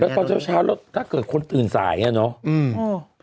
แล้วก็เช้าแล้วถ้าเกิดคนตื่นสายอย่างนี้เนอะ